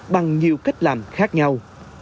bằng nhiều cách làm khác nhau